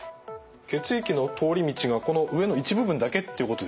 血液の通り道がこの上の一部分だけっていうことですよね。